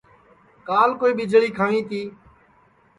کال کوئی ٻیݪی کھنٚوی تی